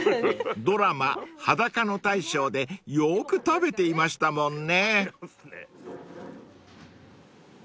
［ドラマ『裸の大将』でよく食べていましたもんね］